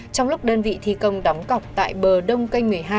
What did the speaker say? trong lúc đơn vị thi công đóng cọc tại bờ đông canh một mươi hai